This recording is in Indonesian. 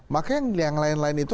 maka yang lain lain itu